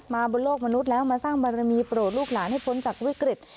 บนโลกมนุษย์แล้วมาสร้างบารมีโปรดลูกหลานให้พ้นจากวิกฤต